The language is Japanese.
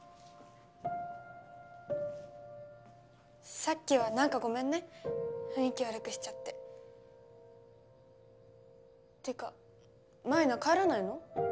さっきはなんかごめんね雰囲気悪くしちゃってってか舞菜帰らないの？